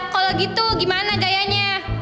kalau gitu gimana gayanya